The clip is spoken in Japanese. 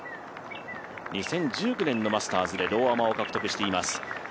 ２０１９年のマスターズでローアマを獲得しています。